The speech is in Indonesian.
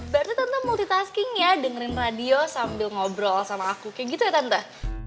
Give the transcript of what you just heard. berarti tante multitasking ya dengerin radio sambil ngobrol sama aku kayak gitu ya tante